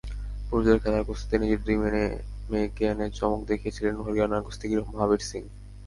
পুরুষদের খেলা কুস্তিতে নিজের দুই মেয়েকে এনে চমকে দিয়েছিলেন হরিয়ানার কুস্তিগির মহাবীর সিং।